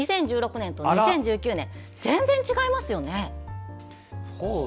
２０１６年と２０１９年、全然違いますよね。